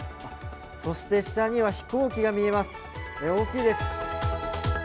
そして、下には飛行機が見えます、大きいです。